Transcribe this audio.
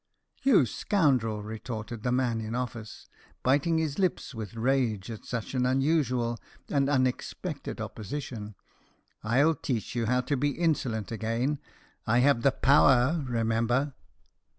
"You scoundrel!" retorted the man in office, biting his lips with rage at such an unusual and unexpected opposition, "I'll teach you how to be insolent again; I have the power, remember."